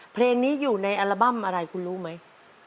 เพลงนี้อยู่ในอัลบั้มอะไรคุณรู้ไหม